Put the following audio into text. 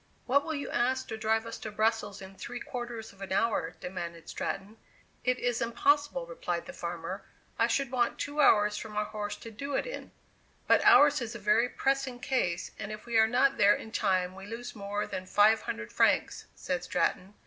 "What will you ask to drive us to Brussels in three quarters of an hour?" demanded Stratton. [Illustration: MANURE CART EXPRESS.] "It is impossible," replied the farmer; "I should want two hours for my horse to do it in." "But ours is a very pressing case, and if we are not there in time we lose more than five hundred francs," said Stratton.